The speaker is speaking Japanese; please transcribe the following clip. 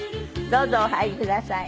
どうぞお入りください。